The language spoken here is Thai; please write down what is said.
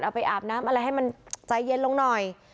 ไปอาบน้ำอะไรให้มันใจเย็นลงหน่อย